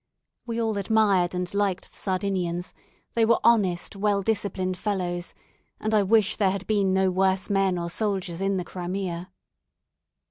We all admired and liked the Sardinians; they were honest, well disciplined fellows, and I wish there had been no worse men or soldiers in the Crimea.